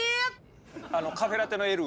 あのカフェラテのＬ。